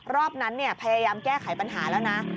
รอบนั้นพยายามแก้ไขปัญหาแล้วนะ